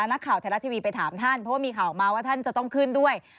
นักข่าวไทยรัฐทีวีไปถามท่านเพราะว่ามีข่าวออกมาว่าท่านจะต้องขึ้นด้วย